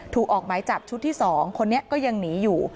ออกหมายจับชุดที่๒คนนี้ก็ยังหนีอยู่